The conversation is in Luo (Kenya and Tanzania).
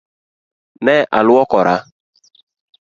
Ne aluokora.